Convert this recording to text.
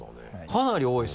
かなり多いですね。